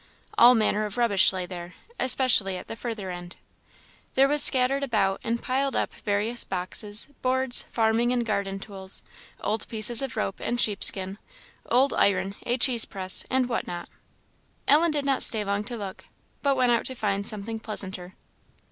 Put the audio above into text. All manner of rubbish lay there, especially at the further end. There was scattered about and piled up various boxes, boards, farming and garden tools, old pieces of rope and sheepskin, old iron, a cheese press, and what not. Ellen did not stay long to look, but went out to find something pleasanter.